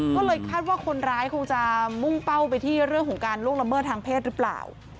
ก็เลยคาดว่าคนร้ายคงจะมุ่งเป้าไปที่เรื่องของการล่วงละเมิดทางเพศหรือเปล่า